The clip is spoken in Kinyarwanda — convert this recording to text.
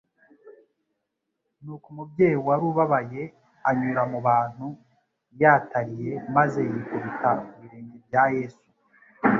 Nuko umubyeyi wari ubabaye, anyura mu bantu yatariya maze yikubita ku birenge bya Yesu,